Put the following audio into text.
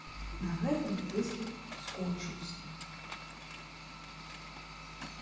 На гэтым выступ скончыўся.